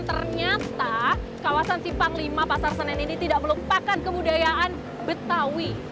ternyata kawasan simpang lima pasar senen ini tidak melupakan kebudayaan betawi